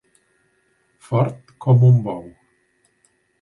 Fort com un bou.